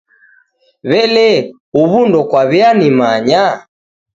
W'ele, huw'u ndokwaw'enimanya?